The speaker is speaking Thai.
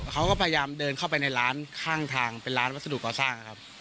เขาก็พยายามเดินเข้าไปในร้านข้างทางเป็นร้านวัสดุก่อสร้างนะครับ